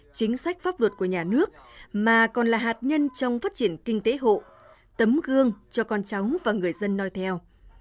chính sách pháp luật của nhà nước mà còn là hạt nhân trong phát triển kinh tế hộ tấm gương cho con cháu và người dân nói theo